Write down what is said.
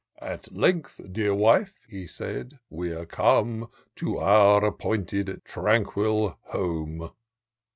At length, dear wife," he said, " we're come To our appointed tranquil home."